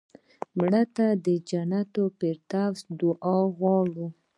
مړه ته د جنت الفردوس دعا غواړو